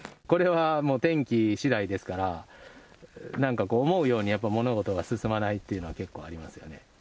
これは、もう天気しだいですから、なんかこう、思うように物事が進まないというのは結構ありますよね。